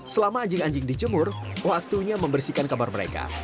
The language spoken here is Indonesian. selama anjing anjing dijemur waktunya membersihkan kamar mereka